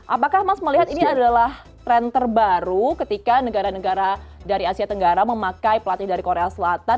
apakah mas melihat ini adalah tren terbaru ketika negara negara dari asia tenggara memakai pelatih dari korea selatan